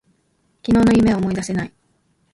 昨日の夢を思い出せない。